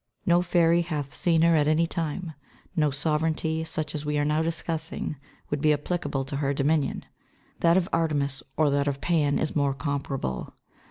No fairy hath seen her at any time; no sovereignty such as we are now discussing would be applicable to her dominion. That of Artemis, or that of Pan, is more comparable.